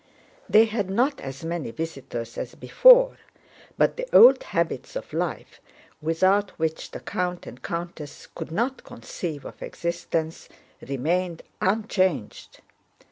They had not as many visitors as before, but the old habits of life without which the count and countess could not conceive of existence remained unchanged.